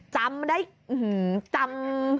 จำได้จำ